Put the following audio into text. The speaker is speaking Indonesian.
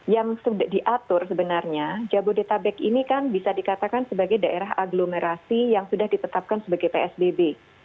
yang diatur sebenarnya jabodetabek ini kan bisa dikatakan sebagai daerah aglomerasi yang sudah ditetapkan sebagai psbb